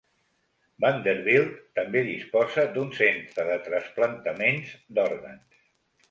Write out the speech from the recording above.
Vanderbilt també disposa d'un centre de trasplantaments d'òrgans.